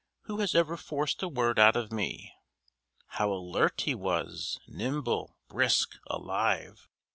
Who has ever forced a word out of me!" How alert he was, nimble, brisk, alive!